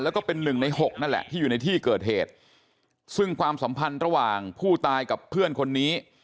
แล้วก็เป็นหนึ่งในหกนั่นแหละที่อยู่ในที่เกิดเหตุซึ่งความสัมพันธ์ระหว่างผู้ตายกับเพื่อนคนนี้